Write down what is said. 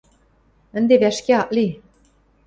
Ӹнде вӓшке ак ли...